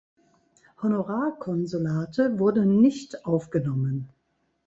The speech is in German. Honorarkonsulate wurden nicht aufgenommen.